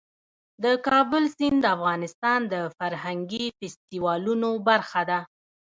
د کابل سیند د افغانستان د فرهنګي فستیوالونو برخه ده.